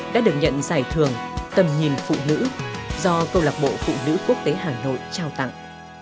đã được nhận giải thưởng tầm nhìn phụ nữ do câu lạc bộ phụ nữ quốc tế hà nội trao tặng